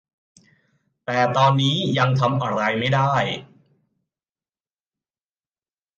แต่ตอนนี้ยังทำอะไรไม่ได้